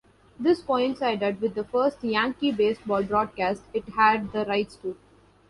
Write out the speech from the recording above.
This coincided with the first Yankee baseball broadcast it had the rights to.